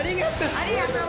ありがとう。